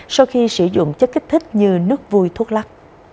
sau khi sử dụng chất kích thích như nước vui thuốc lắc